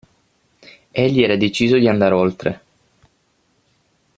Egli era deciso di andar oltre.